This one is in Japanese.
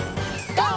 ＧＯ！